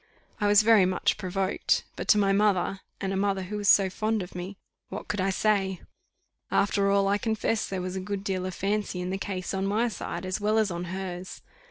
I was very much provoked; but to my mother, and a mother who was so fond of me, what could I say? After all, I confessed there was a good deal of fancy in the case on my side as well as on hers.